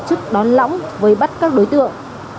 sức đón lõng với bắt các đối tượng